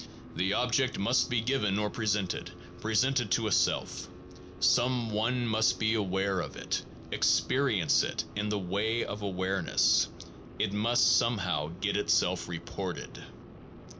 The object must be given or presented, presented to a self; some one must be aware of it, experience it in the way of awareness; it must some how get itself reported.